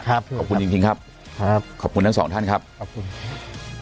ขอบคุณจริงจริงครับครับขอบคุณทั้งสองท่านครับขอบคุณครับ